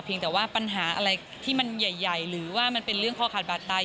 แต่ว่าปัญหาอะไรที่มันใหญ่หรือว่ามันเป็นเรื่องคอขาดบาดตาย